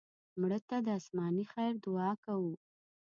مړه ته د آسماني خیر دعا کوو